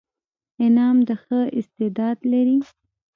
انعام د ښه استعداد لري.